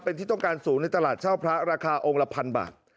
เป็นที่ต้องการสูงในตลาดเช่าพระราคาองค์ละพันบาท